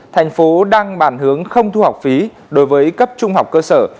tp hcm đang bàn hướng không thu học phí đối với cấp trung học cơ sở